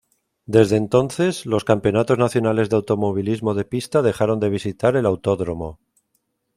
Desde entonces, los campeonatos nacionales de automovilismo de pista dejaron de visitar el autódromo.